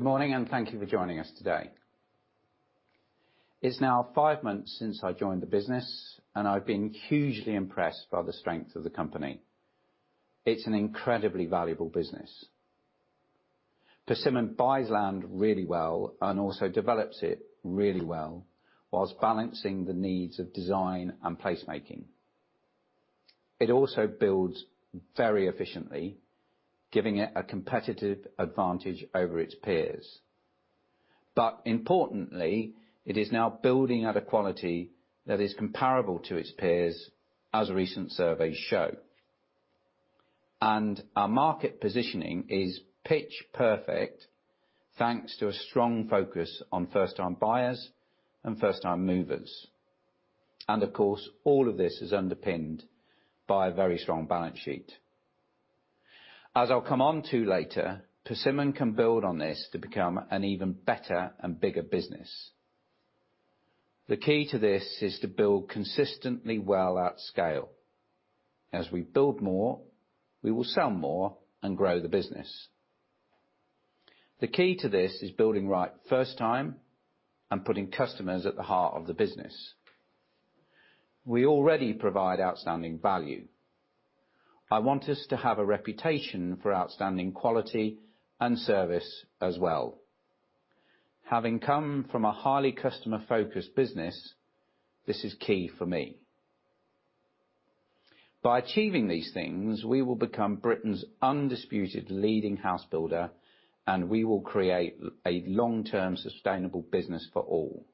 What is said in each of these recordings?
Morning, and thank you for joining us today. It's now five months since I joined the business, and I've been hugely impressed by the strength of the company. It's an incredibly valuable business. Persimmon buys land really well and also develops it really well while balancing the needs of design and placemaking. It also builds very efficiently, giving it a competitive advantage over its peers. Importantly, it is now building at a quality that is comparable to its peers, as recent surveys show. Our market positioning is pitch perfect thanks to a strong focus on first-time buyers and first-time movers. Of course, all of this is underpinned by a very strong balance sheet. As I'll come onto later, Persimmon can build on this to become an even better and bigger business. The key to this is to build consistently well at scale. As we build more, we will sell more and grow the business. The key to this is building right the first time and putting customers at the heart of the business. We already provide outstanding value. I want us to have a reputation for outstanding quality and service as well. Having come from a highly customer-focused business, this is key for me. By achieving these things, we will become Britain's undisputed leading house builder, and we will create a long-term sustainable business for all.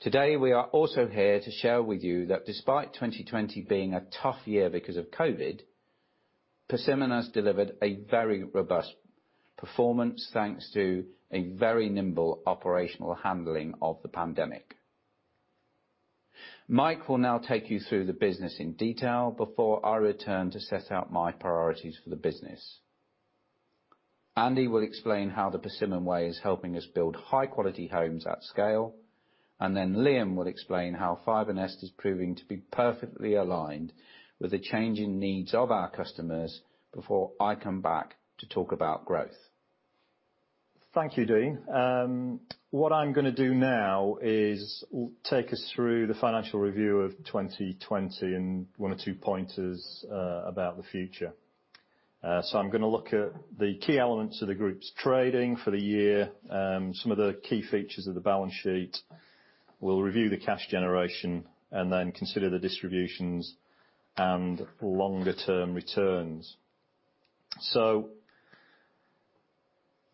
Today, we are also here to share with you that despite 2020 being a tough year because of COVID, Persimmon has delivered a very robust performance thanks to a very nimble operational handling of the pandemic. Mike will now take you through the business in detail before I return to set out my priorities for the business. Andy will explain how The Persimmon Way is helping us build high-quality homes at scale, and then Liam will explain how FibreNest is proving to be perfectly aligned with the changing needs of our customers before I come back to talk about growth. Thank you, Dean. What I'm going to do now is take us through the financial review of 2020 and one or two pointers about the future. I'm going to look at the key elements of the group's trading for the year, some of the key features of the balance sheet. We'll review the cash generation and then consider the distributions and longer-term returns.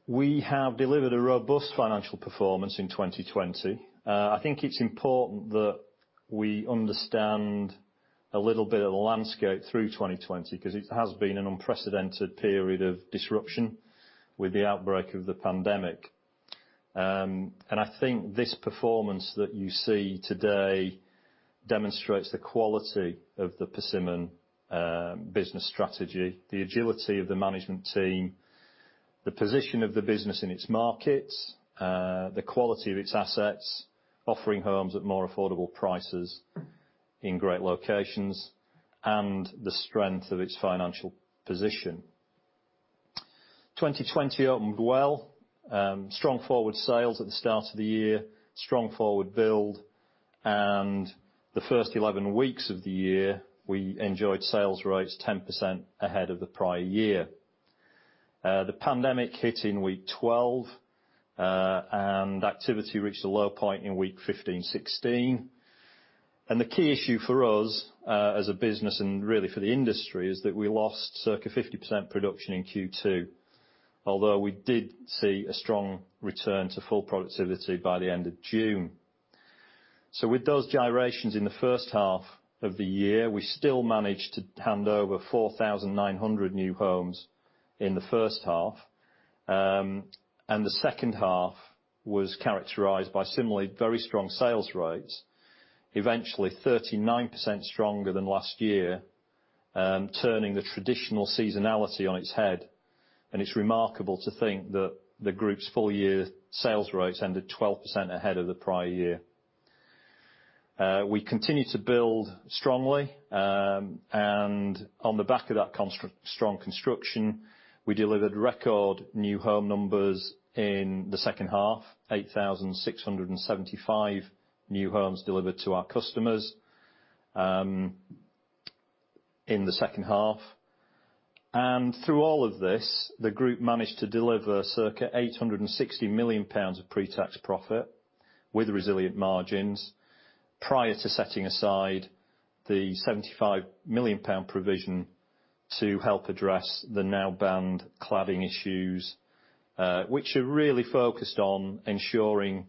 We have delivered a robust financial performance in 2020. I think it's important that we understand a little bit of the landscape through 2020 because it has been an unprecedented period of disruption with the outbreak of the pandemic. I think this performance that you see today demonstrates the quality of the Persimmon business strategy, the agility of the management team, the position of the business in its markets, the quality of its assets, offering homes at more affordable prices in great locations, and the strength of its financial position. 2020 opened well. Strong forward sales at the start of the year, strong forward build, and the first 11 weeks of the year, we enjoyed sales rates 10% ahead of the prior year. The pandemic hit in week 12. Activity reached a low point in week 15, 16. The key issue for us, as a business, and really for the industry, is that we lost circa 50% production in Q2, although we did see a strong return to full productivity by the end of June. With those gyrations in the first half of the year, we still managed to hand over 4,900 new homes in the first half. The second half was characterized by similarly very strong sales rates, eventually 39% stronger than last year, turning the traditional seasonality on its head. It's remarkable to think that the group's full year sales rates ended 12% ahead of the prior year. We continued to build strongly. On the back of that strong construction, we delivered record new home numbers in the second half, 8,675 new homes delivered to our customers in the second half. Through all of this, the group managed to deliver circa 860 million pounds of pre-tax profit with resilient margins prior to setting aside the 75 million pound provision to help address the now banned cladding issues, which are really focused on ensuring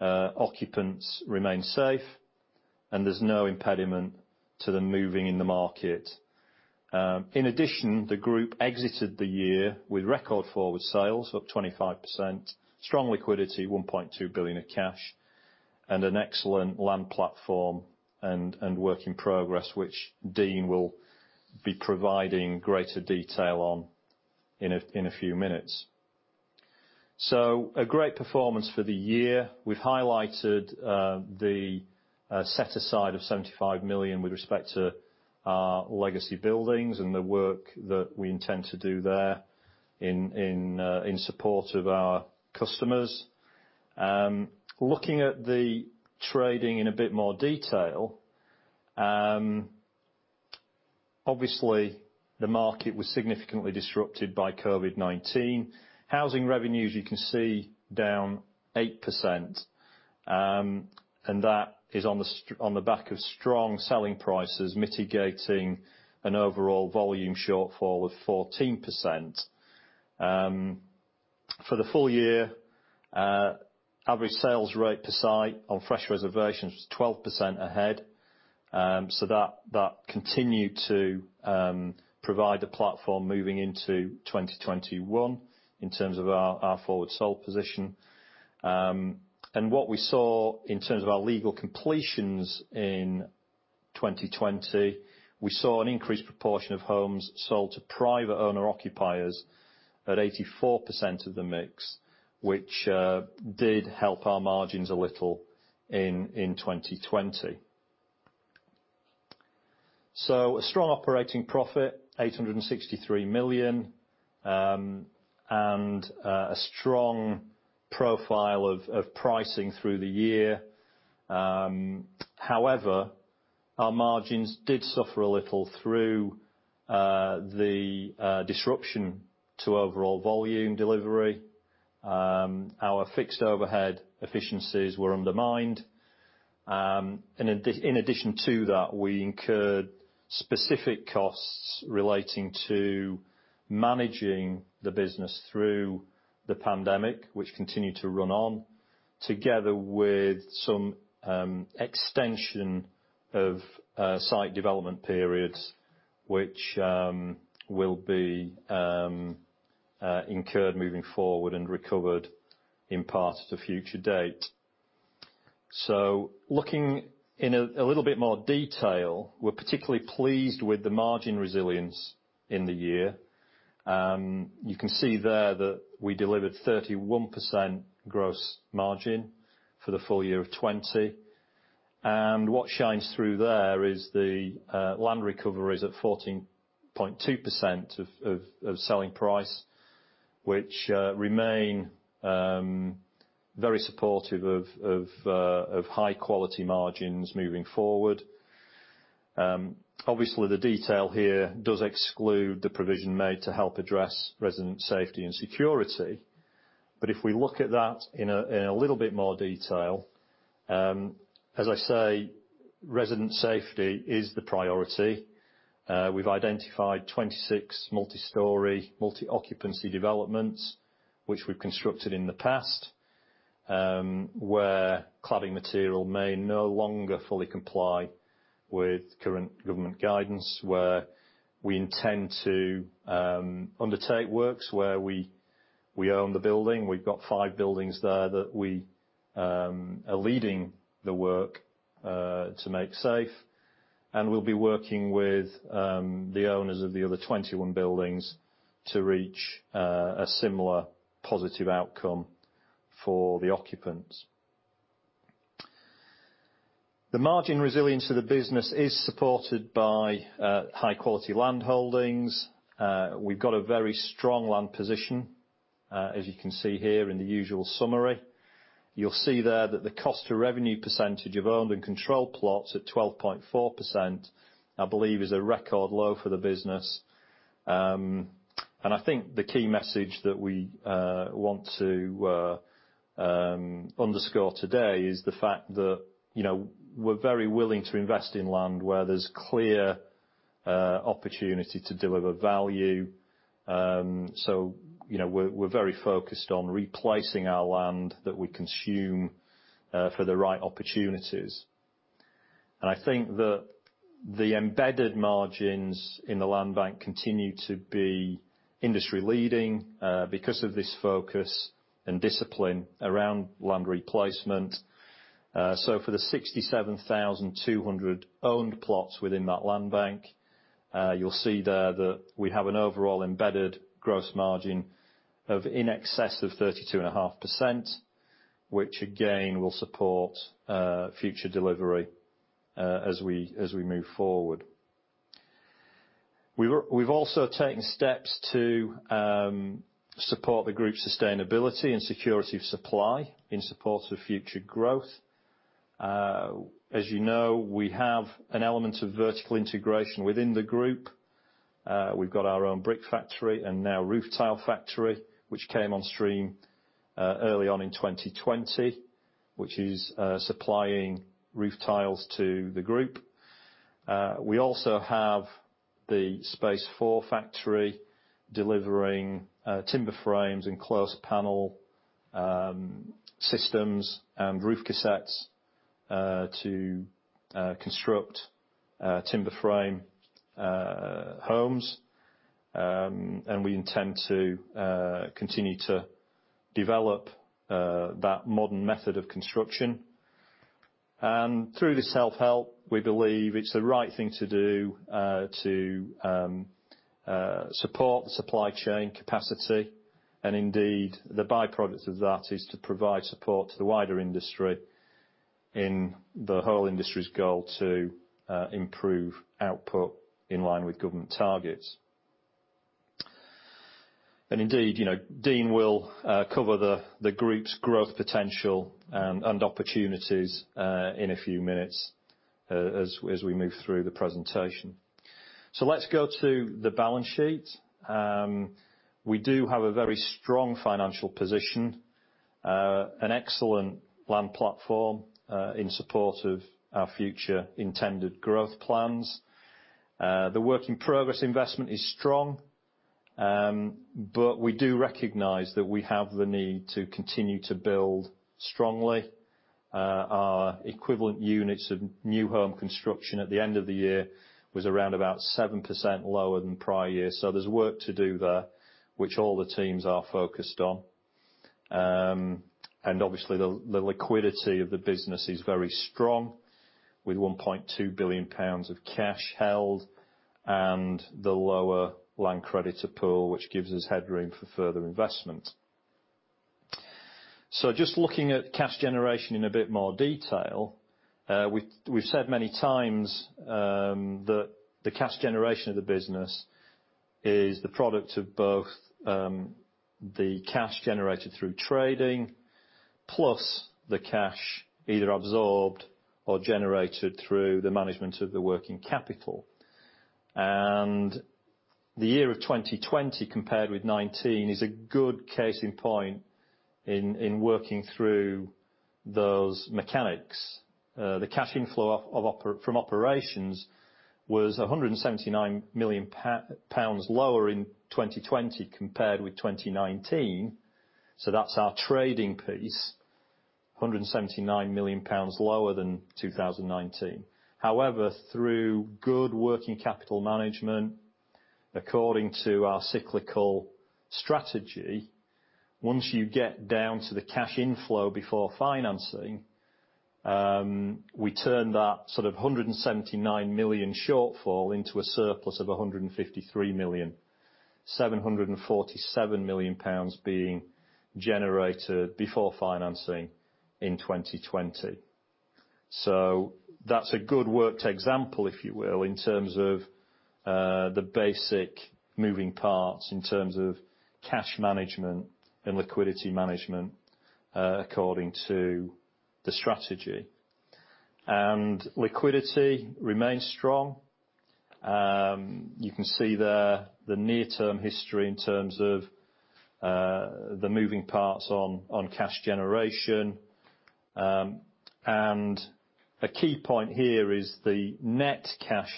occupants remain safe and there's no impediment to them moving in the market. In addition, the group exited the year with record forward sales up 25%, strong liquidity, 1.2 billion of cash, and an excellent land platform and work in progress, which Dean will be providing greater detail on in a few minutes. A great performance for the year. We've highlighted the set aside of 75 million with respect to our legacy buildings and the work that we intend to do there in support of our customers. Looking at the trading in a bit more detail, obviously the market was significantly disrupted by COVID-19. Housing revenues, you can see, down 8%, that is on the back of strong selling prices mitigating an overall volume shortfall of 14%. For the full year, average sales rate per site on fresh reservations was 12% ahead. That continued to provide a platform moving into 2021 in terms of our forward sold position. What we saw in terms of our legal completions in 2020, we saw an increased proportion of homes sold to private owner/occupiers at 84% of the mix, which did help our margins a little in 2020. A strong operating profit, 863 million, and a strong profile of pricing through the year. However, our margins did suffer a little through the disruption to overall volume delivery. Our fixed overhead efficiencies were undermined. We incurred specific costs relating to managing the business through the pandemic, which continue to run on, together with some extension of site development periods, which will be incurred moving forward and recovered in part at a future date. Looking in a little bit more detail, we're particularly pleased with the margin resilience in the year. You can see there that we delivered 31% gross margin for the full year of 2020. What shines through there is the land recovery is at 14.2% of selling price, which remain very supportive of high quality margins moving forward. The detail here does exclude the provision made to help address resident safety and security. If we look at that in a little bit more detail, as I say, resident safety is the priority. We've identified 26 multistory, multi-occupancy developments, which we've constructed in the past, where cladding material may no longer fully comply with current government guidance, where we intend to undertake works where we own the building. We've got five buildings there that we are leading the work to make safe, and we'll be working with the owners of the other 21 buildings to reach a similar positive outcome for the occupants. The margin resilience of the business is supported by high quality land holdings. We've got a very strong land position, as you can see here in the usual summary. You'll see there that the cost to revenue percentage of owned and controlled plots at 12.4%, I believe, is a record low for the business. I think the key message that we want to underscore today is the fact that we're very willing to invest in land where there's clear opportunity to deliver value. We're very focused on replacing our land that we consume for the right opportunities. I think that the embedded margins in the land bank continue to be industry leading because of this focus and discipline around land replacement. For the 67,200 owned plots within that land bank, you'll see there that we have an overall embedded gross margin of in excess of 32.5%, which again, will support future delivery as we move forward. We've also taken steps to support the group's sustainability and security of supply in support of future growth. As you know, we have an element of vertical integration within the group. We've got our own brick factory and now roof tile factory, which came on stream early on in 2020, which is supplying roof tiles to the group. We also have the Space4 factory delivering timber frames, and closed panel systems, and roof cassettes to construct timber frame homes. We intend to continue to develop that Modern Methods of Construction. Through the self-help, we believe it's the right thing to do to support the supply chain capacity and indeed, the byproduct of that is to provide support to the wider industry in the whole industry's goal to improve output in line with government targets. Indeed, Dean will cover the group's growth potential and opportunities in a few minutes as we move through the presentation. Let's go to the balance sheet. We do have a very strong financial position, an excellent land platform in support of our future intended growth plans. The work in progress investment is strong, but we do recognize that we have the need to continue to build strongly. Our equivalent units of new home construction at the end of the year was around about 7% lower than prior years. There's work to do there, which all the teams are focused on. Obviously, the liquidity of the business is very strong with 1.2 billion pounds of cash held and the lower land creditor pool, which gives us headroom for further investment. Just looking at cash generation in a bit more detail. We've said many times that the cash generation of the business is the product of both the cash generated through trading plus the cash either absorbed or generated through the management of the working capital. The year of 2020 compared with 2019 is a good case in point in working through those mechanics. The cash inflow from operations was 179 million pounds lower in 2020 compared with 2019. That's our trading piece, 179 million pounds lower than 2019. However, through good working capital management, according to our cyclical strategy, once you get down to the cash inflow before financing, we turn that sort of 179 million shortfall into a surplus of 153 million, 747 million pounds being generated before financing in 2020. That's a good worked example, if you will, in terms of the basic moving parts in terms of cash management and liquidity management according to the strategy. Liquidity remains strong. You can see there the near term history in terms of the moving parts on cash generation. A key point here is the net cash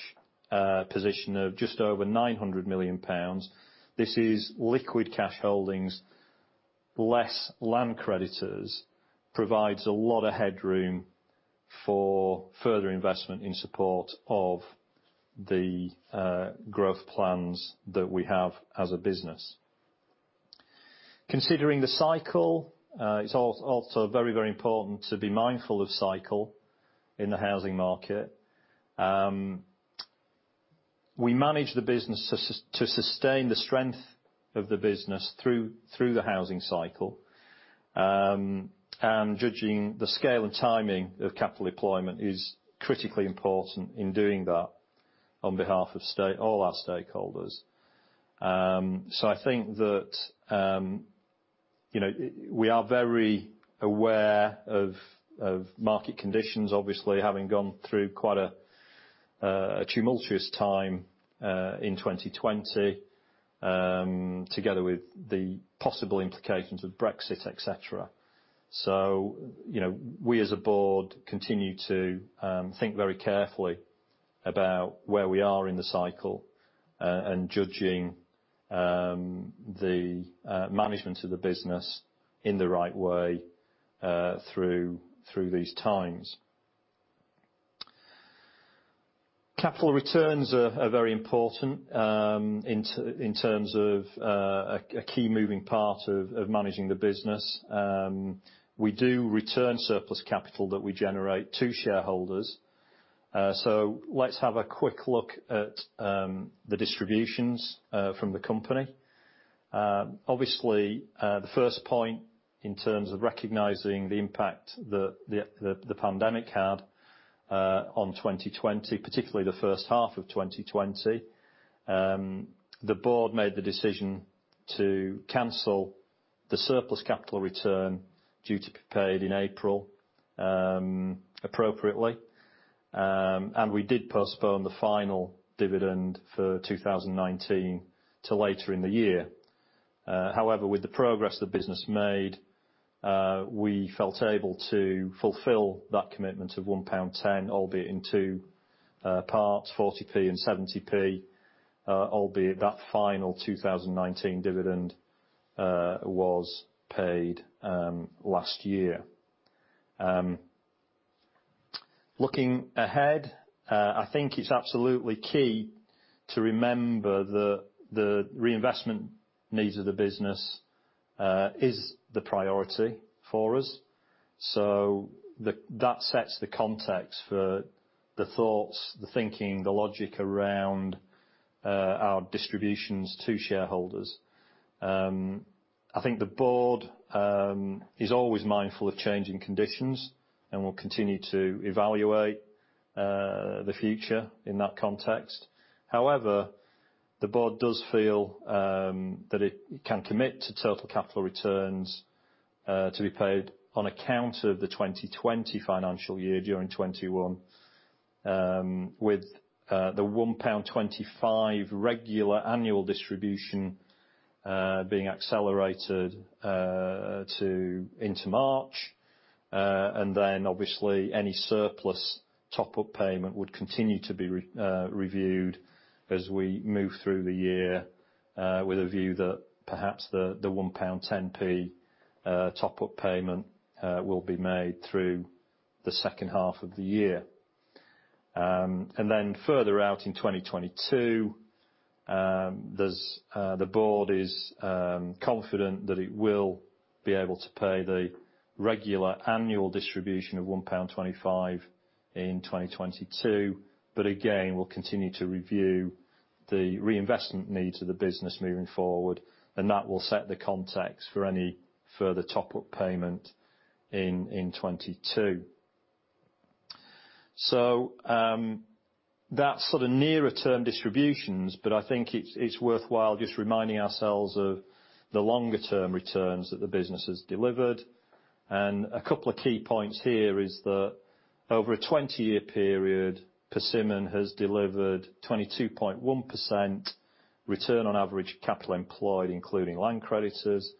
position of just over 900 million pounds. This is liquid cash holdings, less land creditors, provides a lot of headroom for further investment in support of the growth plans that we have as a business. Considering the cycle, it's also very important to be mindful of cycle in the housing market. We manage the business to sustain the strength of the business through the housing cycle. Judging the scale and timing of capital deployment is critically important in doing that on behalf of all our stakeholders. I think that we are very aware of market conditions, obviously, having gone through quite a tumultuous time in 2020, together with the possible implications of Brexit, et cetera. We as a board continue to think very carefully about where we are in the cycle, and judging the management of the business in the right way through these times. Capital returns are very important in terms of a key moving part of managing the business. We do return surplus capital that we generate to shareholders. Let's have a quick look at the distributions from the company. Obviously, the first point in terms of recognizing the impact the pandemic had on 2020, particularly the first half of 2020. The board made the decision to cancel the surplus capital return due to be paid in April appropriately. We did postpone the final dividend for 2019 to later in the year. However, with the progress the business made, we felt able to fulfill that commitment of 1.10 pound, albeit in two parts, 0.40 and 0.70. Albeit that final 2019 dividend was paid last year. Looking ahead, I think it's absolutely key to remember the reinvestment needs of the business is the priority for us. That sets the context for the thoughts, the thinking, the logic around our distributions to shareholders. I think the board is always mindful of changing conditions and will continue to evaluate the future in that context. The board does feel that it can commit to total capital returns to be paid on account of the 2020 financial year during 2021, with the 1.25 pound regular annual distribution being accelerated into March. Obviously any surplus top-up payment would continue to be reviewed as we move through the year, with a view that perhaps the 1.10 pound top-up payment will be made through the second half of the year. Further out in 2022, the board is confident that it will be able to pay the regular annual distribution of 1.25 pound in 2022. Again, we'll continue to review the reinvestment needs of the business moving forward, and that will set the context for any further top-up payment in 2022. That's sort of nearer term distributions, but I think it's worthwhile just reminding ourselves of the longer term returns that the business has delivered. A couple of key points here is that over a 20-year period, Persimmon has delivered 22.1% Return on Average Capital Employed, including land creditors.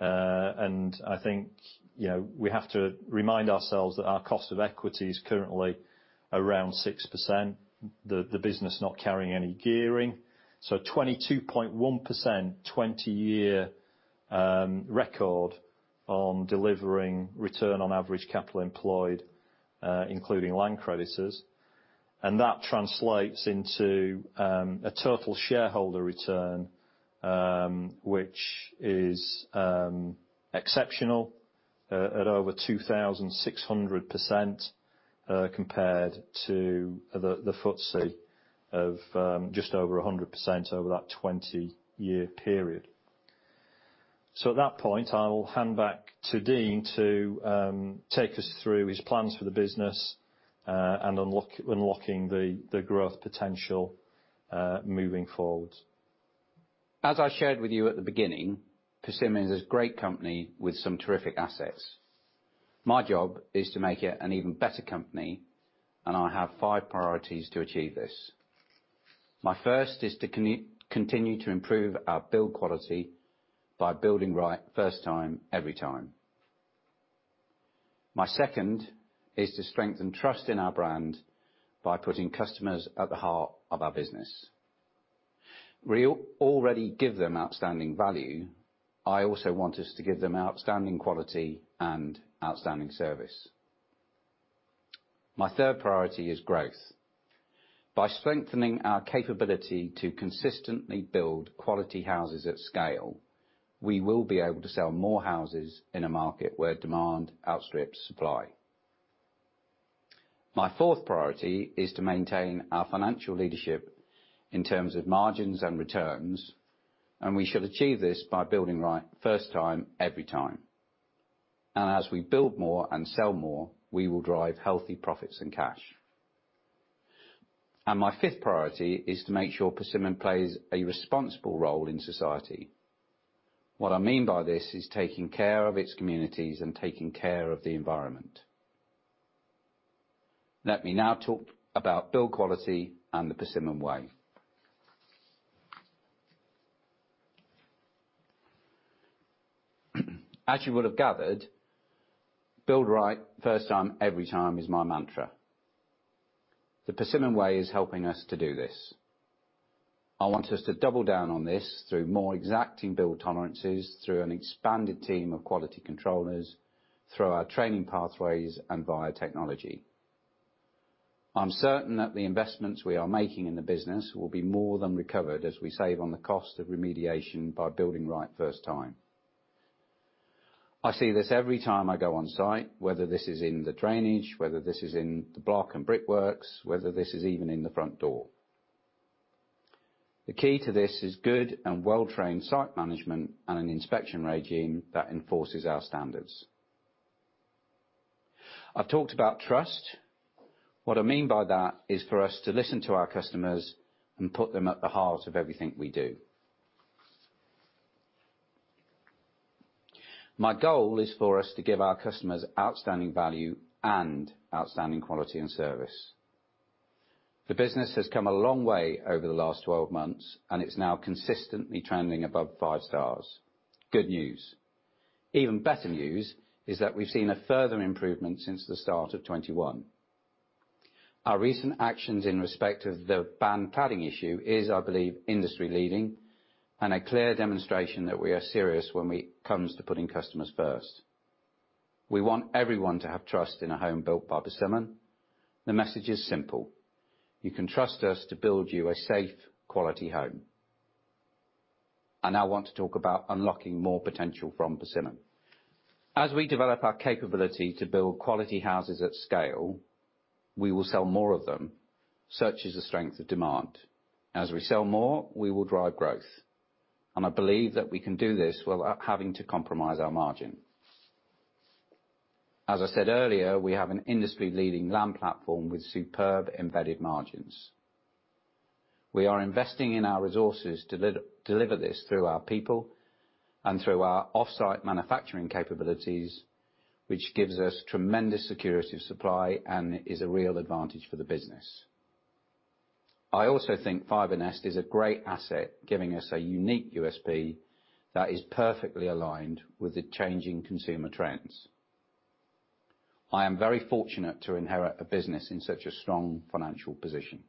I think we have to remind ourselves that our cost of equity is currently around 6%, the business not carrying any gearing. 22.1% 20-year record on delivering Return on Average Capital Employed, including land creditors. That translates into a total shareholder return, which is exceptional at over 2,600% compared to the FTSE of just over 100% over that 20-year period. At that point, I will hand back to Dean to take us through his plans for the business and unlocking the growth potential moving forward. As I shared with you at the beginning, Persimmon is a great company with some terrific assets. My job is to make it an even better company, and I have five priorities to achieve this. My first is to continue to improve our build quality by building right first time, every time. My second is to strengthen trust in our brand by putting customers at the heart of our business. We already give them outstanding value. I also want us to give them outstanding quality and outstanding service. My third priority is growth. By strengthening our capability to consistently build quality houses at scale, we will be able to sell more houses in a market where demand outstrips supply. My fourth priority is to maintain our financial leadership in terms of margins and returns, and we shall achieve this by building right first time, every time. As we build more and sell more, we will drive healthy profits and cash. My fifth priority is to make sure Persimmon plays a responsible role in society. What I mean by this is taking care of its communities and taking care of the environment. Let me now talk about build quality and The Persimmon Way. As you would have gathered, build right first time, every time is my mantra. The Persimmon Way is helping us to do this. I want us to double down on this through more exacting build tolerances, through an expanded team of quality controllers, through our training pathways, and via technology. I'm certain that the investments we are making in the business will be more than recovered as we save on the cost of remediation by building right first time. I see this every time I go on site, whether this is in the drainage, whether this is in the block and brickworks, whether this is even in the front door. The key to this is good and well-trained site management and an inspection regime that enforces our standards. I've talked about trust. What I mean by that is for us to listen to our customers and put them at the heart of everything we do. My goal is for us to give our customers outstanding value and outstanding quality and service. The business has come a long way over the last 12 months, and it's now consistently trending above five stars. Good news. Even better news is that we've seen a further improvement since the start of 2021. Our recent actions in respect of the banned cladding issue is, I believe, industry leading and a clear demonstration that we are serious when it comes to putting customers first. We want everyone to have trust in a home built by Persimmon. The message is simple: You can trust us to build you a safe, quality home. I now want to talk about unlocking more potential from Persimmon. As we develop our capability to build quality houses at scale, we will sell more of them, such is the strength of demand. As we sell more, we will drive growth. I believe that we can do this without having to compromise our margin. As I said earlier, we have an industry leading land platform with superb embedded margins. We are investing in our resources to deliver this through our people and through our offsite manufacturing capabilities, which gives us tremendous security of supply and is a real advantage for the business. I also think FibreNest is a great asset, giving us a unique USP that is perfectly aligned with the changing consumer trends. I am very fortunate to inherit a business in such a strong financial position.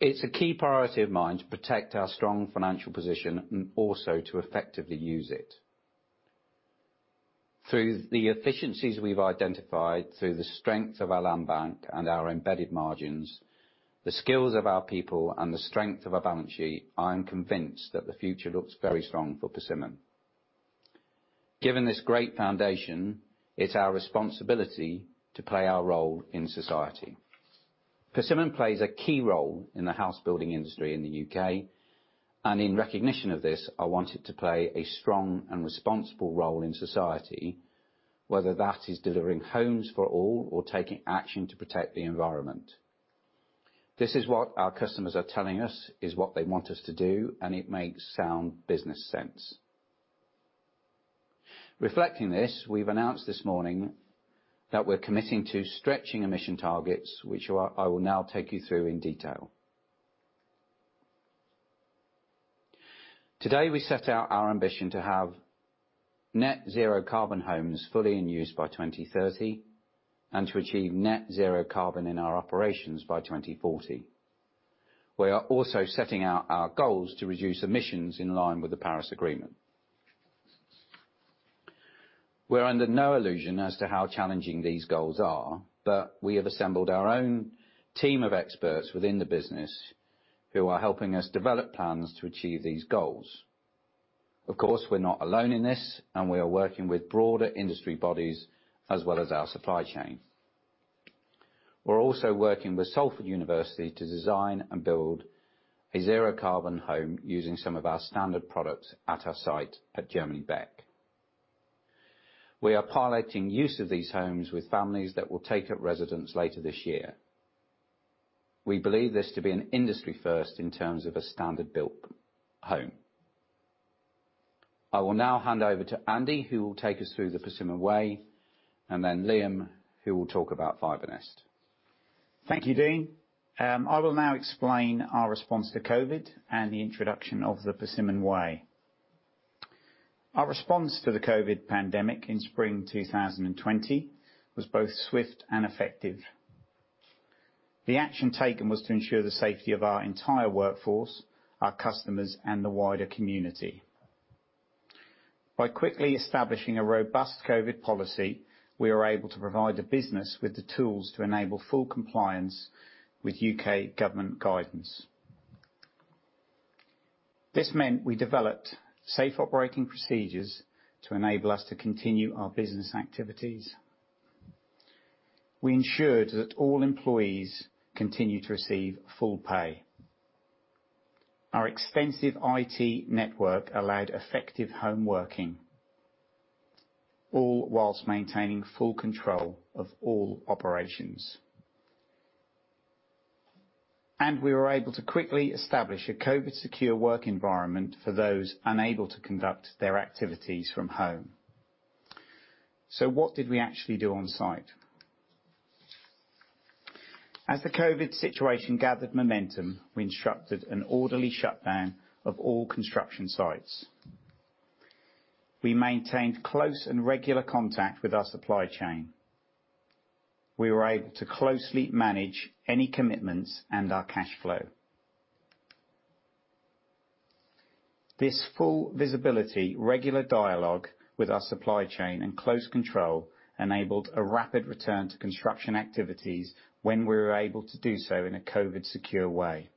It's a key priority of mine to protect our strong financial position and also to effectively use it. Through the efficiencies we've identified, through the strength of our land bank and our embedded margins, the skills of our people, and the strength of our balance sheet, I am convinced that the future looks very strong for Persimmon. Given this great foundation, it's our responsibility to play our role in society. Persimmon plays a key role in the house building industry in the U.K., and in recognition of this, I want it to play a strong and responsible role in society, whether that is delivering Homes for All or taking action to protect the environment. This is what our customers are telling us is what they want us to do, and it makes sound business sense. Reflecting this, we've announced this morning that we're committing to stretching emission targets, which I will now take you through in detail. Today, we set out our ambition to have Net Zero Carbon homes fully in use by 2030, and to achieve Net Zero Carbon in our operations by 2040. We are also setting out our goals to reduce emissions in line with the Paris Agreement. We're under no illusion as to how challenging these goals are, but we have assembled our own team of experts within the business who are helping us develop plans to achieve these goals. Of course, we're not alone in this, and we are working with broader industry bodies as well as our supply chain. We're also working with University of Salford to design and build a zero carbon home using some of our standard products at our site at Germany Beck. We are piloting use of these homes with families that will take up residence later this year. We believe this to be an industry first in terms of a standard built home. I will now hand over to Andy, who will take us through The Persimmon Way, and then Liam, who will talk about FibreNest. Thank you, Dean. I will now explain our response to COVID and the introduction of the Persimmon Way. Our response to the COVID pandemic in spring 2020 was both swift and effective. The action taken was to ensure the safety of our entire workforce, our customers, and the wider community. By quickly establishing a robust COVID policy, we were able to provide the business with the tools to enable full compliance with U.K. government guidance. This meant we developed safe operating procedures to enable us to continue our business activities. We ensured that all employees continued to receive full pay. Our extensive IT network allowed effective home working, all whilst maintaining full control of all operations. We were able to quickly establish a COVID secure work environment for those unable to conduct their activities from home. What did we actually do on site? As the COVID situation gathered momentum, we instructed an orderly shutdown of all construction sites. We maintained close and regular contact with our supply chain. We were able to closely manage any commitments and our cash flow. This full visibility, regular dialogue with our supply chain, and close control enabled a rapid return to construction activities when we were able to do so in a COVID secure way.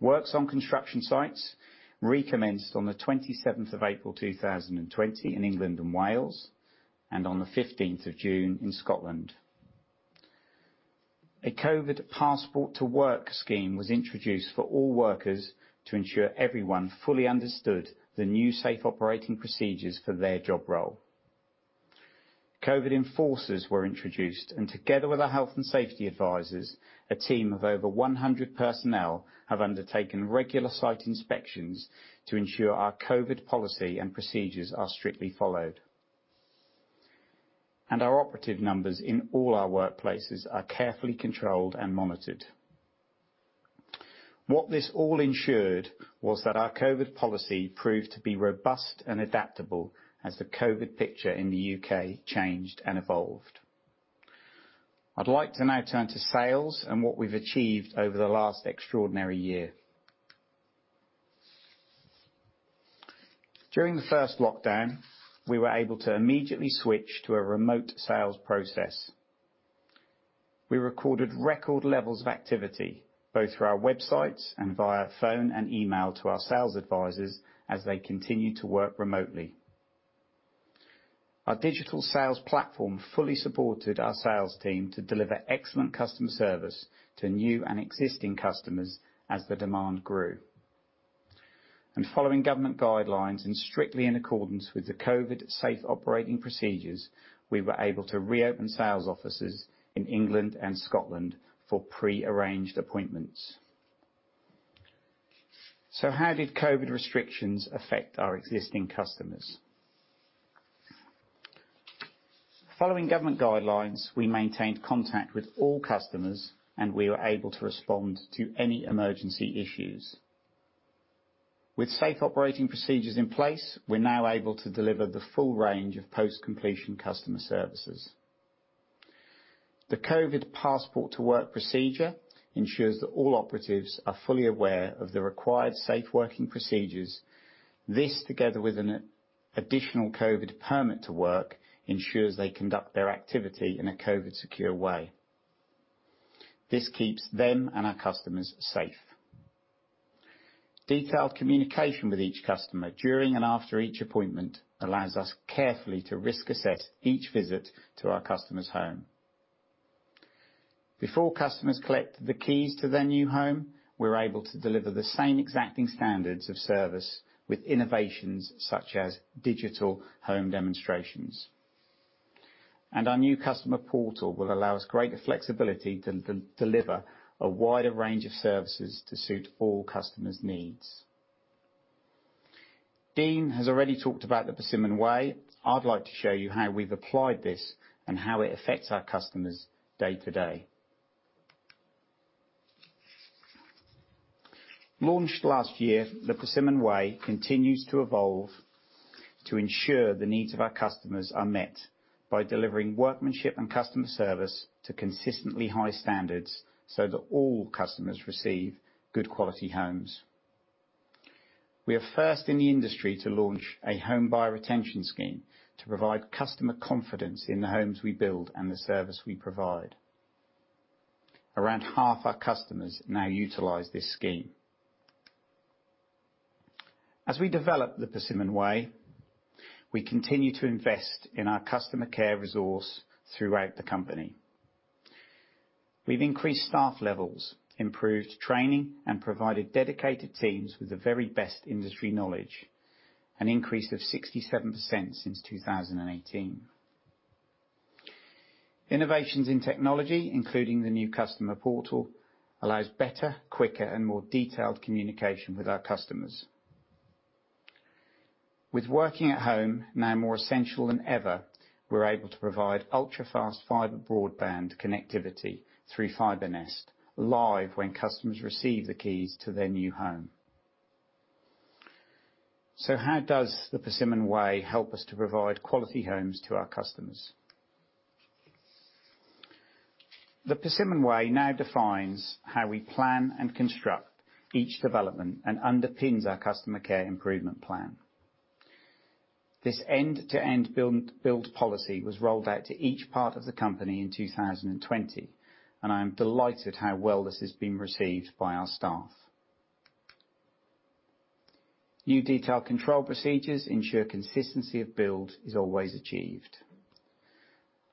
Works on construction sites recommenced on the 27th of April 2020 in England and Wales, and on the 15th of June in Scotland. A COVID Passport to Work scheme was introduced for all workers to ensure everyone fully understood the new safe operating procedures for their job role. COVID enforcers were introduced, and together with our health and safety advisors, a team of over 100 personnel have undertaken regular site inspections to ensure our COVID policy and procedures are strictly followed. Our operative numbers in all our workplaces are carefully controlled and monitored. What this all ensured was that our COVID policy proved to be robust and adaptable as the COVID picture in the U.K. changed and evolved. I'd like to now turn to sales and what we've achieved over the last extraordinary year. During the first lockdown, we were able to immediately switch to a remote sales process. We recorded record levels of activity, both through our websites and via phone and email to our sales advisors as they continued to work remotely. Our digital sales platform fully supported our sales team to deliver excellent customer service to new and existing customers as the demand grew. Following government guidelines and strictly in accordance with the COVID safe operating procedures, we were able to reopen sales offices in England and Scotland for pre-arranged appointments. How did COVID restrictions affect our existing customers? Following government guidelines, we maintained contact with all customers, and we were able to respond to any emergency issues. With safe operating procedures in place, we're now able to deliver the full range of post-completion customer services. The COVID passport to work procedure ensures that all operatives are fully aware of the required safe working procedures. This, together with an additional COVID permit to work, ensures they conduct their activity in a COVID secure way. This keeps them and our customers safe. Detailed communication with each customer during and after each appointment allows us carefully to risk assess each visit to our customer's home. Before customers collect the keys to their new home, we're able to deliver the same exacting standards of service with innovations such as digital home demonstrations. Our new customer portal will allow us greater flexibility to deliver a wider range of services to suit all customers' needs. Dean has already talked about The Persimmon Way. I'd like to show you how we've applied this and how it affects our customers day to day. Launched last year, The Persimmon Way continues to evolve to ensure the needs of our customers are met by delivering workmanship and customer service to consistently high standards so that all customers receive good quality homes. We are first in the industry to launch a Home Buyer Retention Scheme to provide customer confidence in the homes we build and the service we provide. Around half our customers now utilize this scheme. As we develop The Persimmon Way, we continue to invest in our customer care resource throughout the company. We've increased staff levels, improved training, and provided dedicated teams with the very best industry knowledge. An increase of 67% since 2018. Innovations in technology, including the new customer portal, allows better, quicker, and more detailed communication with our customers. With working at home now more essential than ever, we're able to provide ultra-fast fiber broadband connectivity through FibreNest, live when customers receive the keys to their new home. How does The Persimmon Way help us to provide quality homes to our customers? The Persimmon Way now defines how we plan and construct each development and underpins our customer care improvement plan. This end-to-end build policy was rolled out to each part of the company in 2020, and I am delighted how well this has been received by our staff. New detailed control procedures ensure consistency of build is always achieved.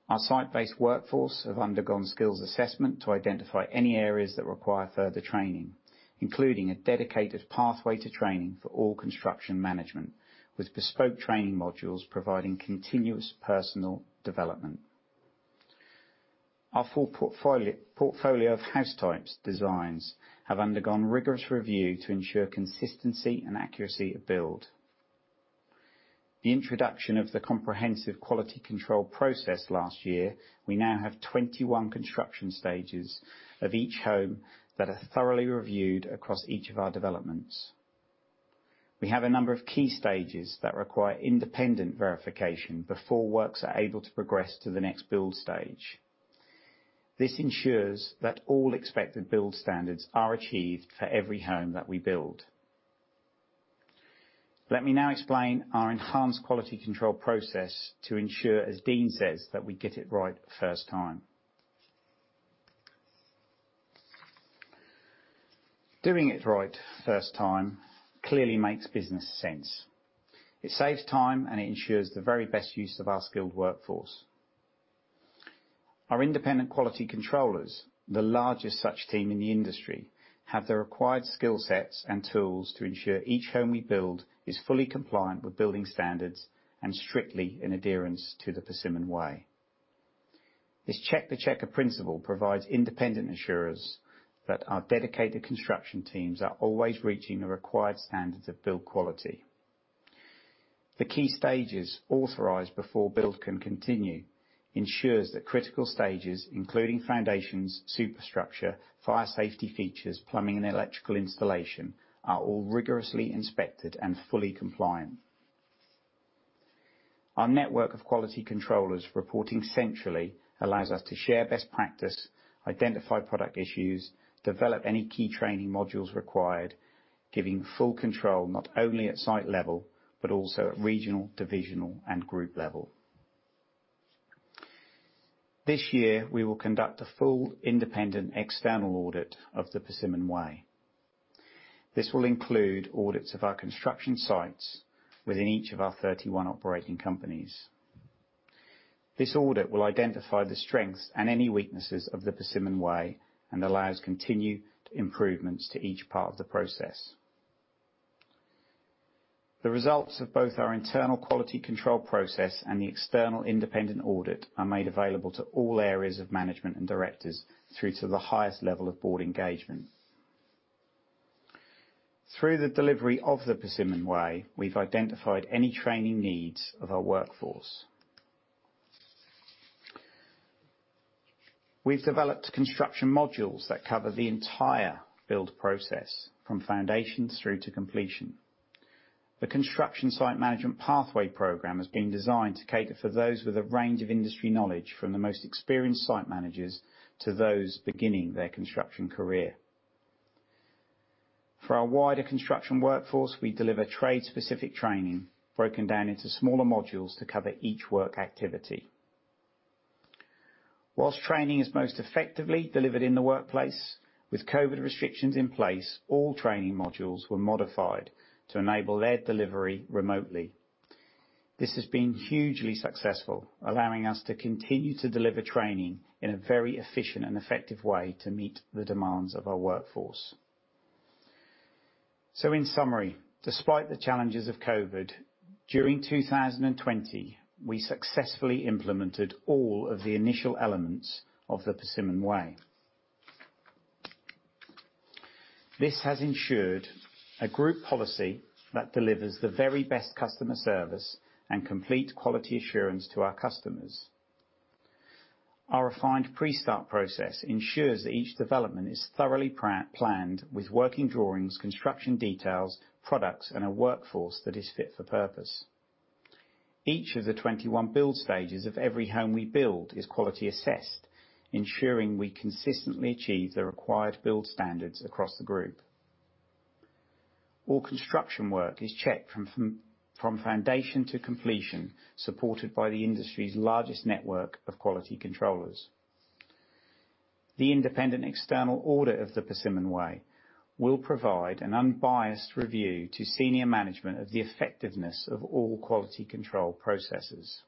Our site-based workforce have undergone skills assessment to identify any areas that require further training, including a dedicated pathway to training for all construction management, with bespoke training modules providing continuous personal development. Our full portfolio of house types designs have undergone rigorous review to ensure consistency and accuracy of build. The introduction of the comprehensive quality control process last year, we now have 21 construction stages of each home that are thoroughly reviewed across each of our developments. We have a number of key stages that require independent verification before works are able to progress to the next build stage. This ensures that all expected build standards are achieved for every home that we build. Let me now explain our enhanced quality control process to ensure, as Dean says, that we get it right first time. Doing it right first time clearly makes business sense. It saves time, and it ensures the very best use of our skilled workforce. Our independent quality controllers, the largest such team in the industry, have the required skill sets and tools to ensure each home we build is fully compliant with building standards and strictly in adherence to The Persimmon Way. This check-the-checker principle provides independent assurance that our dedicated construction teams are always reaching the required standards of build quality. The key stages authorized before build can continue ensures that critical stages, including foundations, superstructure, fire safety features, plumbing, and electrical installation, are all rigorously inspected and fully compliant. Our network of quality controllers reporting centrally allows us to share best practice, identify product issues, develop any key training modules required, giving full control not only at site level, but also at regional, divisional and group level. This year, we will conduct a full independent external audit of The Persimmon Way. This will include audits of our construction sites within each of our 31 operating companies. This audit will identify the strengths and any weaknesses of The Persimmon Way, and allow us continued improvements to each part of the process. The results of both our internal quality control process and the external independent audit are made available to all areas of management and directors, through to the highest level of board engagement. Through the delivery of The Persimmon Way, we've identified any training needs of our workforce. We've developed construction modules that cover the entire build process, from foundations through to completion. The construction site management pathway program has been designed to cater for those with a range of industry knowledge, from the most experienced site managers to those beginning their construction career. For our wider construction workforce, we deliver trade specific training broken down into smaller modules to cover each work activity. Whilst training is most effectively delivered in the workplace, with COVID restrictions in place, all training modules were modified to enable their delivery remotely. This has been hugely successful, allowing us to continue to deliver training in a very efficient and effective way to meet the demands of our workforce. In summary, despite the challenges of COVID, during 2020, we successfully implemented all of the initial elements of The Persimmon Way. This has ensured a group policy that delivers the very best customer service and complete quality assurance to our customers. Our refined pre-start process ensures that each development is thoroughly planned, with working drawings, construction details, products, and a workforce that is fit for purpose. Each of the 21 build stages of every home we build is quality assessed, ensuring we consistently achieve the required build standards across the group. All construction work is checked from foundation to completion, supported by the industry's largest network of quality controllers. The independent external audit of the Persimmon Way will provide an unbiased review to senior management of the effectiveness of all quality control processes.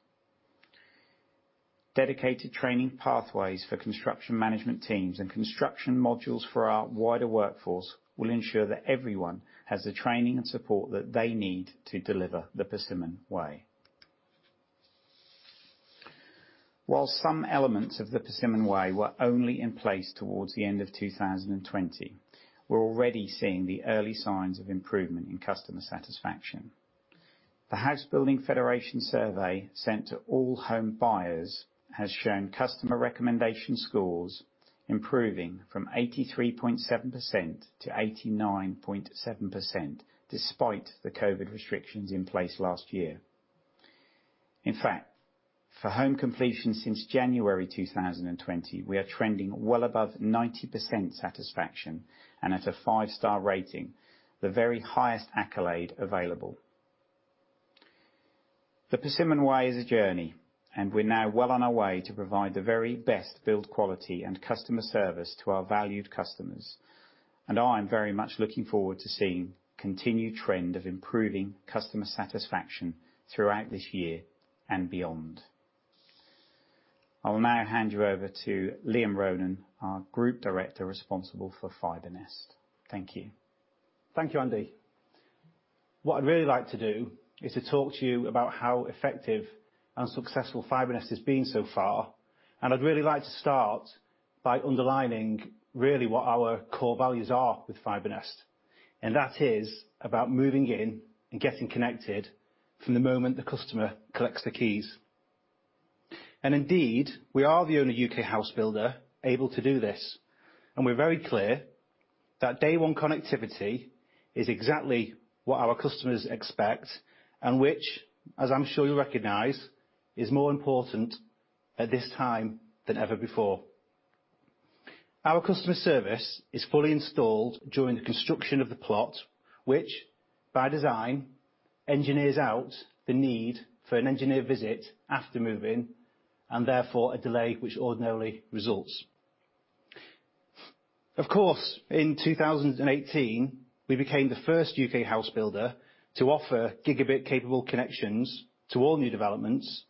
Dedicated training pathways for construction management teams and construction modules for our wider workforce will ensure that everyone has the training and support that they need to deliver the Persimmon Way. While some elements of the Persimmon Way were only in place towards the end of 2020, we're already seeing the early signs of improvement in customer satisfaction. The House Building Federation survey sent to all home buyers has shown customer recommendation scores improving from 83.7%-89.7%, despite the COVID restrictions in place last year. For home completions since January 2020, we are trending well above 90% satisfaction and at a five-star rating, the very highest accolade available. The Persimmon Way is a journey, we're now well on our way to provide the very best build quality and customer service to our valued customers. I am very much looking forward to seeing continued trend of improving customer satisfaction throughout this year and beyond. I will now hand you over to Liam Ronan, our Group Director responsible for FibreNest. Thank you. Thank you, Andy. What I'd really like to do is to talk to you about how effective and successful FibreNest has been so far, and I'd really like to start by underlining really what our core values are with FibreNest. That is about moving in and getting connected from the moment the customer collects the keys. Indeed, we are the only U.K. house builder able to do this, and we're very clear that day one connectivity is exactly what our customers expect and which, as I'm sure you recognize, is more important at this time than ever before. Our customer service is fully installed during the construction of the plot, which by design engineers out the need for an engineer visit after move-in, and therefore a delay which ordinarily results. Of course, in 2018, we became the first U.K. house builder to offer gigabit capable connections to all new developments.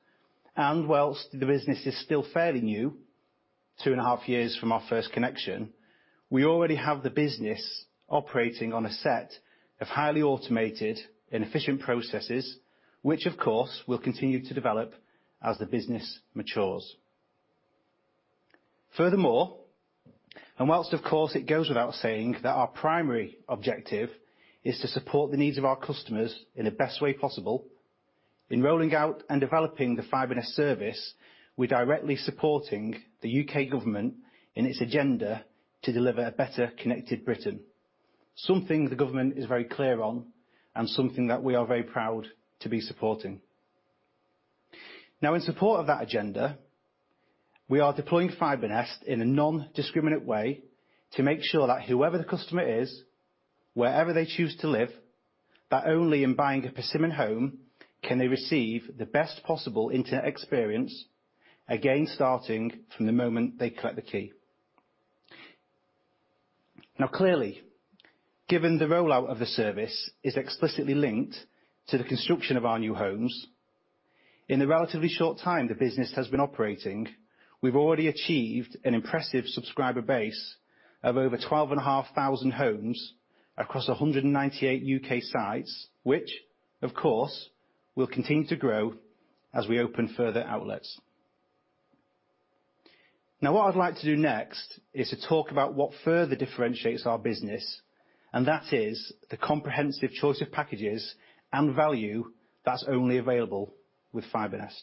Whilst the business is still fairly new, 2.5 years from our first connection, we already have the business operating on a set of highly automated and efficient processes, which of course will continue to develop as the business matures. Furthermore, whilst of course it goes without saying that our primary objective is to support the needs of our customers in the best way possible, in rolling out and developing the FibreNest service, we're directly supporting the U.K. government in its agenda to deliver a better connected Britain. Something the government is very clear on, and something that we are very proud to be supporting. In support of that agenda, we are deploying FibreNest in a nondiscriminate way to make sure that whoever the customer is, wherever they choose to live, that only in buying a Persimmon home can they receive the best possible internet experience, again, starting from the moment they collect the key. Clearly, given the rollout of the service is explicitly linked to the construction of our new homes, in the relatively short time the business has been operating, we've already achieved an impressive subscriber base of over 12,500 homes across 198 U.K. sites, which, of course, will continue to grow as we open further outlets. What I'd like to do next is to talk about what further differentiates our business, and that is the comprehensive choice of packages and value that's only available with FibreNest.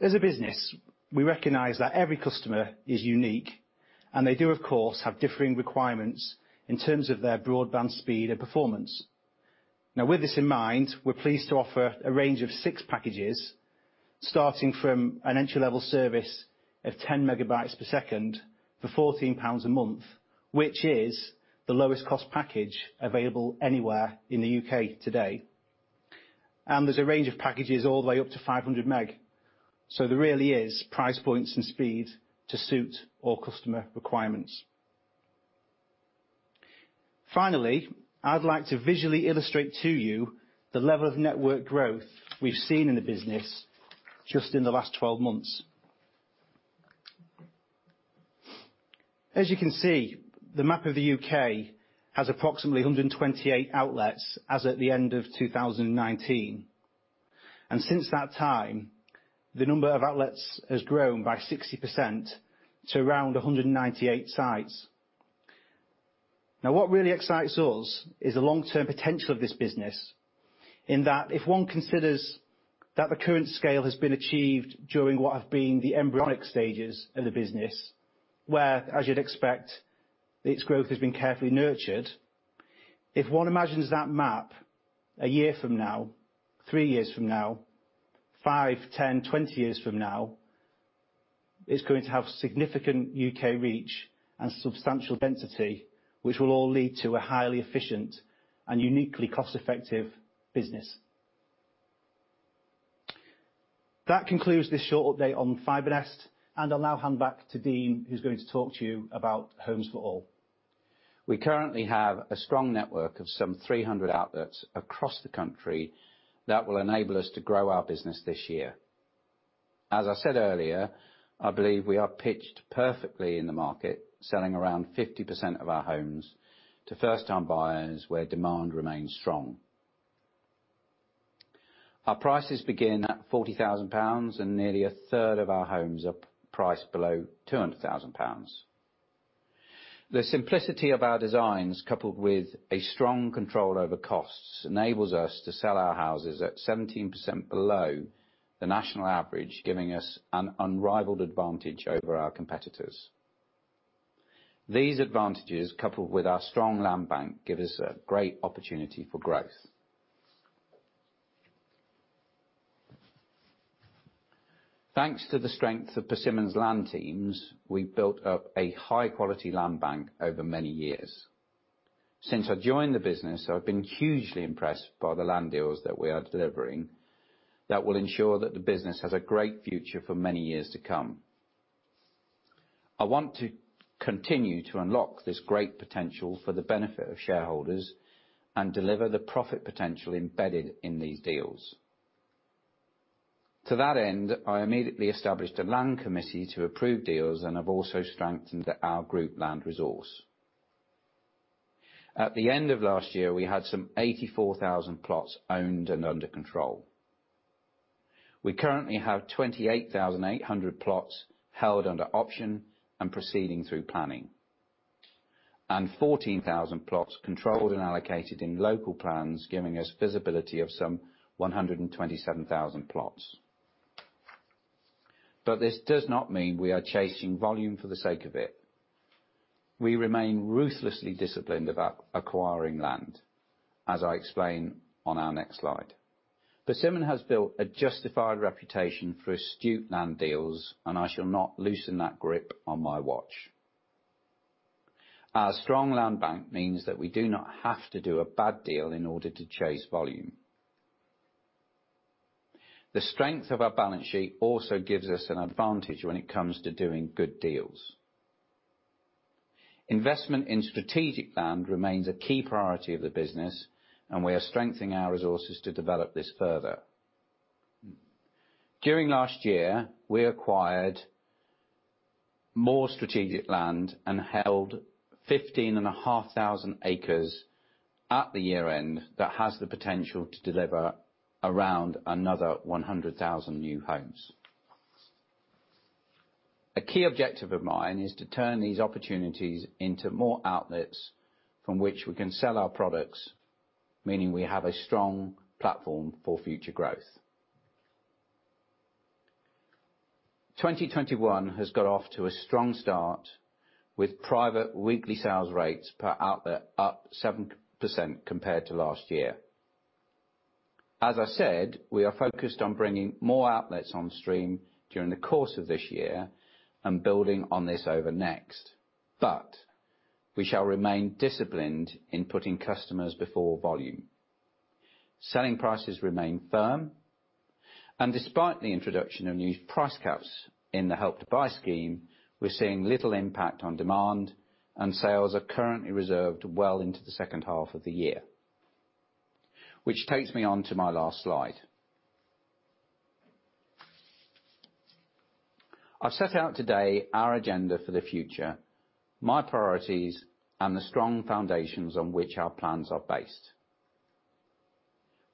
As a business, we recognize that every customer is unique and they do, of course, have differing requirements in terms of their broadband speed and performance. With this in mind, we're pleased to offer a range of six packages, starting from an entry-level service of 10 Mbps for 14 pounds a month, which is the lowest cost package available anywhere in the U.K. today. There's a range of packages all the way up to 500 Mbps. There really is price points and speed to suit all customer requirements. Finally, I'd like to visually illustrate to you the level of network growth we've seen in the business just in the last 12 months. As you can see, the map of the U.K. has approximately 128 outlets as at the end of 2019. Since that time, the number of outlets has grown by 60% to around 198 sites. Now, what really excites us is the long-term potential of this business in that if one considers that the current scale has been achieved during what have been the embryonic stages of the business, where, as you'd expect, its growth has been carefully nurtured. If one imagines that map a year from now, three years from now, five, 10, 20 years from now, it's going to have significant U.K. reach and substantial density, which will all lead to a highly efficient and uniquely cost-effective business. That concludes this short update on FibreNest, and I'll now hand back to Dean, who's going to talk to you about Homes for All. We currently have a strong network of some 300 outlets across the country that will enable us to grow our business this year. As I said earlier, I believe we are pitched perfectly in the market, selling around 50% of our homes to first-time buyers where demand remains strong. Our prices begin at 40,000 pounds, and nearly a third of our homes are priced below 200,000 pounds. The simplicity of our designs, coupled with a strong control over costs, enables us to sell our houses at 17% below the national average, giving us an unrivaled advantage over our competitors. These advantages, coupled with our strong land bank, give us a great opportunity for growth. Thanks to the strength of Persimmon's land teams, we've built up a high-quality land bank over many years. Since I joined the business, I've been hugely impressed by the land deals that we are delivering that will ensure that the business has a great future for many years to come. I want to continue to unlock this great potential for the benefit of shareholders and deliver the profit potential embedded in these deals. To that end, I immediately established a land committee to approve deals and have also strengthened our group land resource. At the end of last year, we had some 84,000 plots owned and under control. We currently have 28,800 plots held under option and proceeding through planning, and 14,000 plots controlled and allocated in local plans, giving us visibility of some 127,000 plots. This does not mean we are chasing volume for the sake of it. We remain ruthlessly disciplined about acquiring land, as I explain on our next slide. Persimmon has built a justified reputation for astute land deals, and I shall not loosen that grip on my watch. Our strong land bank means that we do not have to do a bad deal in order to chase volume. The strength of our balance sheet also gives us an advantage when it comes to doing good deals. Investment in strategic land remains a key priority of the business, and we are strengthening our resources to develop this further. During last year, we acquired more strategic land and held 15,500 acres at the year end that has the potential to deliver around another 100,000 new homes. A key objective of mine is to turn these opportunities into more outlets from which we can sell our products, meaning we have a strong platform for future growth. 2021 has got off to a strong start with private weekly sales rates per outlet up 7% compared to last year. As I said, we are focused on bringing more outlets on stream during the course of this year and building on this over next. We shall remain disciplined in putting customers before volume. Selling prices remain firm. Despite the introduction of new price caps in the Help to Buy scheme, we're seeing little impact on demand, and sales are currently reserved well into the second half of the year. Which takes me on to my last slide. I've set out today our agenda for the future, my priorities, and the strong foundations on which our plans are based.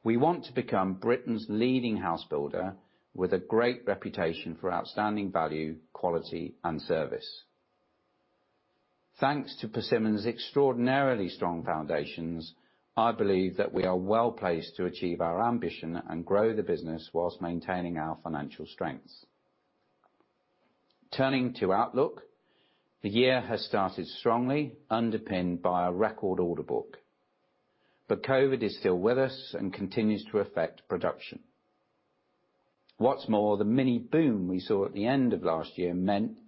We want to become Britain's leading house builder with a great reputation for outstanding value, quality, and service. Thanks to Persimmon's extraordinarily strong foundations, I believe that we are well-placed to achieve our ambition and grow the business whilst maintaining our financial strengths. Turning to outlook. The year has started strongly, underpinned by a record order book. COVID is still with us and continues to affect production. What's more, the mini boom we saw at the end of last year meant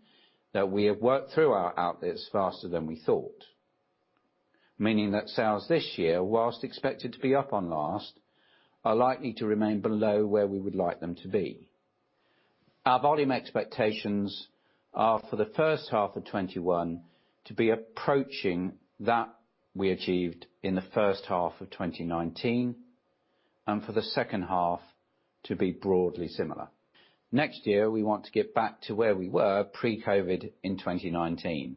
that we have worked through our outlets faster than we thought. Meaning that sales this year, whilst expected to be up on last, are likely to remain below where we would like them to be. Our volume expectations are for the first half of 2021 to be approaching that we achieved in the first half of 2019, and for the second half to be broadly similar. Next year, we want to get back to where we were pre-COVID in 2019.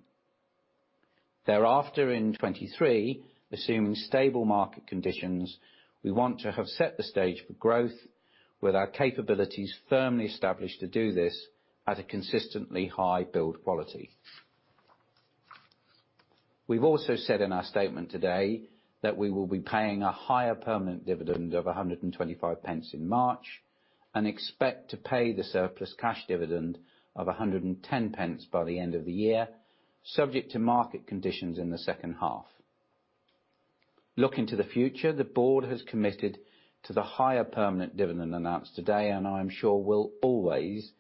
Thereafter in 2023, assuming stable market conditions, we want to have set the stage for growth with our capabilities firmly established to do this at a consistently high build quality. We've also said in our statement today that we will be paying a higher permanent dividend of 1.25 in March, and expect to pay the surplus cash dividend of 1.10 by the end of the year, subject to market conditions in the second half. Looking to the future, the board has committed to the higher permanent dividend announced today, and I am sure will always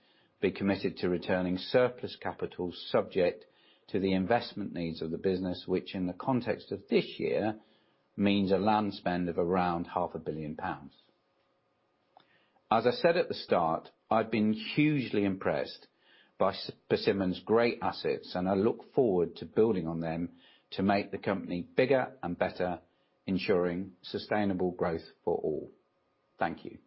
be committed to returning surplus capital subject to the investment needs of the business, which in the context of this year means a land spend of around half a billion pounds. As I said at the start, I've been hugely impressed by Persimmon's great assets, and I look forward to building on them to make the company bigger and better, ensuring sustainable growth for all. Thank you